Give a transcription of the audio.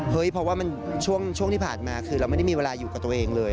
เพราะว่ามันช่วงที่ผ่านมาคือเราไม่ได้มีเวลาอยู่กับตัวเองเลย